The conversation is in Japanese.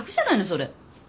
それ。